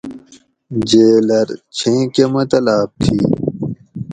جیلر: چھیں کہۤ مطلاۤب تھی؟